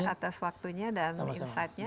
atas waktunya dan insight nya